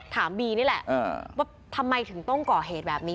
บีนี่แหละว่าทำไมถึงต้องก่อเหตุแบบนี้